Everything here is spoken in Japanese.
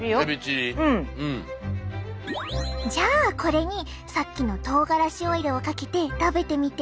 じゃあこれにさっきのとうがらしオイルをかけて食べてみて！